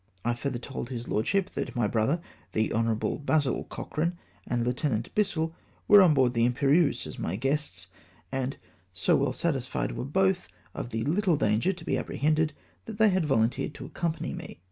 I further told his lord ship that my brother, the Hon. Basil Cochrane, and Lieut. Bissel were on board the Imperieuse as my guests, and so well satisfied were both of the httle dan ger to be apprehended that they had volunteered to accompany me.